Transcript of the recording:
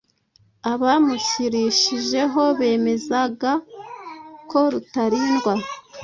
Abamushyirishijeho bemezaga ko Rutalindwa